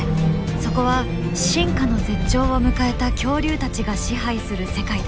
そこは進化の絶頂を迎えた恐竜たちが支配する世界だった。